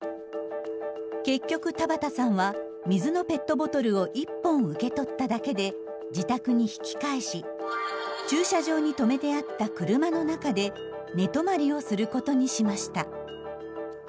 結局田畑さんは水のペットボトルを１本受け取っただけで自宅に引き返し駐車場に止めてあった車の中で寝泊まりをすることにしました。